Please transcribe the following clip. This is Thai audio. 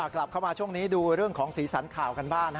กลับเข้ามาช่วงนี้ดูเรื่องของสีสันข่าวกันบ้าง